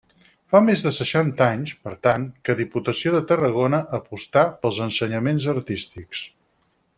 Fa més de seixanta anys, per tant, que Diputació de Tarragona apostà pels ensenyaments artístics.